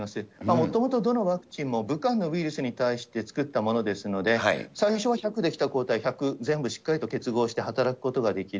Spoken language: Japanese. もともとどのワクチンも武漢のウイルスに対して作ったものですので、最初は１００出来た抗体が１００全部しっかりと結合して働くことができる。